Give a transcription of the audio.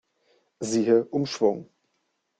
Siehe Umschwung.